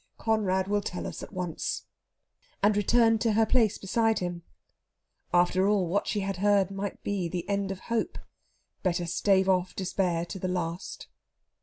Conrad will tell us at once," and returned to her place beside him. After all, what she heard might be the end of Hope. Better stave off Despair to the last.